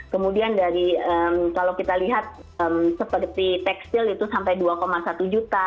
kemudian dari kalau kita lihat seperti tekstil itu sampai dua satu juta